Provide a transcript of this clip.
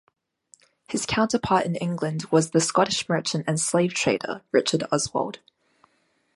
His counterpart in England was the Scottish merchant and slave trader Richard Oswald.